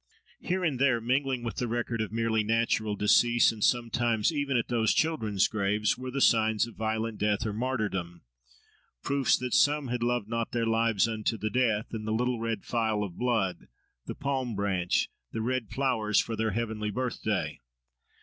Here and there, mingling with the record of merely natural decease, and sometimes even at these children's graves, were the signs of violent death or "martyrdom,"—proofs that some "had loved not their lives unto the death"—in the little red phial of blood, the palm branch, the red flowers for their heavenly "birthday."